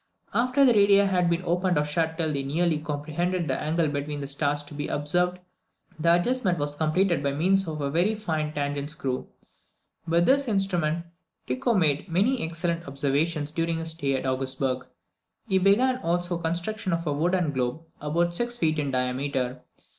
After the radii had been opened or shut till they nearly comprehended the angle between the stars to be observed, the adjustment was completed by means of a very fine tangent screw. With this instrument Tycho made many excellent observations during his stay at Augsburg. He began also the construction of a wooden globe about six feet in diameter.